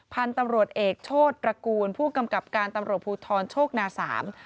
พันธุ์ตำรวจเอกโชธตระกูลผู้กำกับการตำรวจภูทรโชคนาสาม